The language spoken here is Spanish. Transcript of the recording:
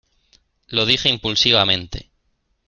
lo dije impulsivamente,